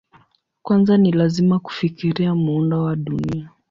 Kwanza ni lazima kufikiria muundo wa Dunia.